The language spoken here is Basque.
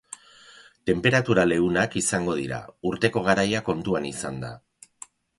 Tenperatura leunak izango dira, urteko garaia kontuan izanda.